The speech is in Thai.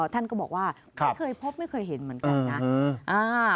ท่านก็บอกว่าไม่เคยพบไม่เคยเห็นเหมือนกันนะ